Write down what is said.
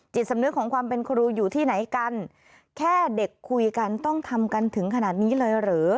สำนึกของความเป็นครูอยู่ที่ไหนกันแค่เด็กคุยกันต้องทำกันถึงขนาดนี้เลยหรือ